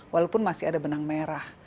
walaupun masih ada benang merah